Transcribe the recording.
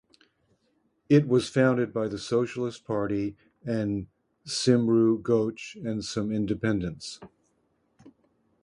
It was founded by the Socialist Party and Cymru Goch and some independents.